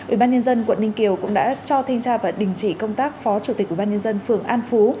ủy ban nhân dân quận ninh kiều cũng đã cho thanh tra và đình chỉ công tác phó chủ tịch ủy ban nhân dân phường an phú